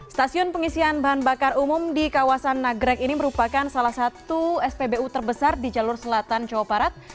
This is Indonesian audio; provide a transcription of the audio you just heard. stasiun pengisian bahan bakar umum di kawasan nagrek ini merupakan salah satu spbu terbesar di jalur selatan jawa barat